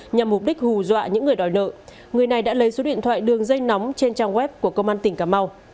nhằm mục đích hù dọa những người đòi nợ người này đã lấy số điện thoại đường dây nóng trên trang web của công an tỉnh cà mau